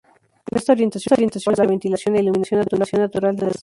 En esta orientación se primaba la ventilación e iluminación natural de las viviendas.